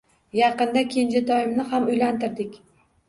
Yaqinda kenjatoyimni ham uylantirdik